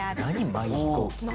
マイ飛行機って。